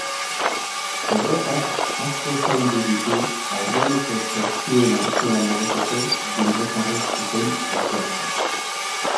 Porrotak asko zaildu ditu aurreneko zortzien artean egoteko bilbotarrek zuten aukerak.